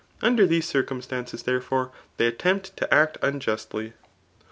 ] Under these circumstances, therefore, tliejfr attempt [to act unjustly.